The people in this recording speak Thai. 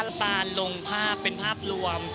อันต่างห์ลงภาพเป็นภาพรวม